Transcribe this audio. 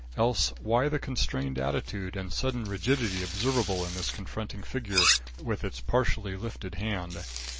Else, why the constrained attitude and sudden rigidity observable in this confronting figure, with its partially lifted hand?